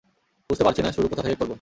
বুছতে পারছি না শুরু কোথা থেকে করব।